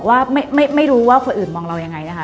เวลาคุณซักมาก